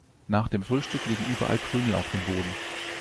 Nach dem Frühstück liegen überall Krümel auf dem Boden.